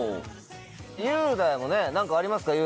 雄大もね何かありますか？